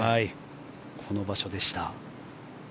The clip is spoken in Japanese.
この場所でした。